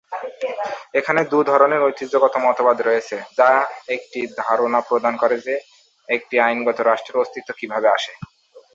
এখানে দু ধরনের ঐতিহ্যগত মতবাদ রয়েছে যা একটি ধারণা প্রদান করে যে একটি আইনত রাষ্ট্রের অস্তিত্ব কিভাবে আসে।